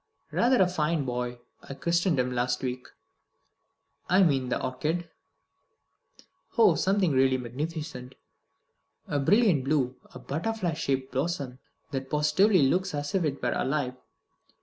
"Rather a fine boy. I christened him last week." "I mean the orchid." "Oh, something really magnificent; a brilliant blue, a butterfly shaped blossom that positively looks as if it were alive.